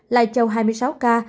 lài châu hai mươi sáu ca